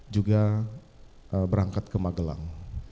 juga berangkat ke magelang